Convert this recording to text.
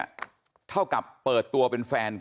ลาออกจากหัวหน้าพรรคเพื่อไทยอย่างเดียวเนี่ย